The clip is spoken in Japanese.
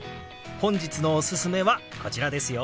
本日のおすすめはこちらですよ。